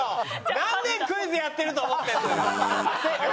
何年クイズやってると思ってるのよ。